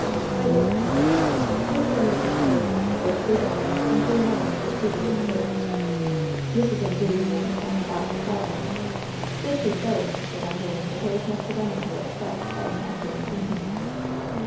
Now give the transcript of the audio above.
By this time Mr. and Mrs. Force, their three daugh ters and Leonidas were seated in the break. Mrs. Anglesea was on the box, driving. This she so 186 LOVE'S BITTEREST CUP insisted on doing that there was no preventing her ex cept by enacting a scene.